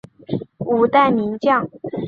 五代名将。